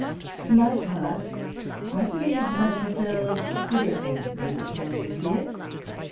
For my part, I believe Mademoiselle Scuderi drew the plan of this year.